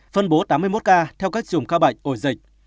phân bố tám mươi một ca theo các trường ca bệnh ổ dịch